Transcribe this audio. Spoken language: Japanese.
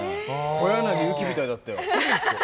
小柳ゆきみたいだったよ。